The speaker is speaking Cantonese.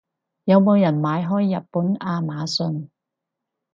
有冇人買開日本亞馬遜？